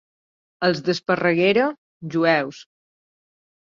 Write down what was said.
Els d'Esparreguera, jueus.